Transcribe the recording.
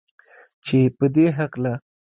چې پدې هکله